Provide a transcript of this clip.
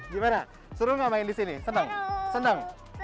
gimana seru gak main di sini senang senang